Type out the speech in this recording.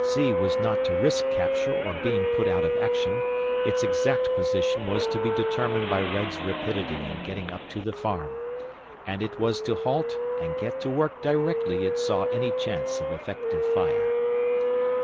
C was not to risk capture or being put out of action; its exact position was to be determined by Red's rapidity in getting up to the farm, and it was to halt and get to work directly it saw any chance of effective fire.